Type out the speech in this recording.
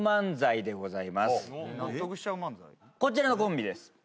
こちらのコンビです。